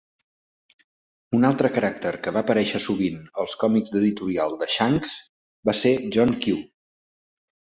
Un altre caràcter que va aparèixer sovint als còmics d'editorial de Shanks va ser John Q.